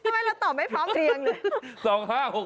ทำไมเราตอบไม่พร้อมเรียง